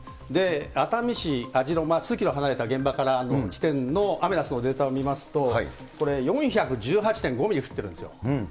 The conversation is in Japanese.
熱海市あじろ、数キロ離れた現場からの地点のアメダスのデータを見ますと、これ、４１８．５ミリ降ってるんですよ。